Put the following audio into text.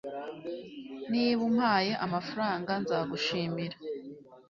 niba umpaye amafaranga, nzagushimira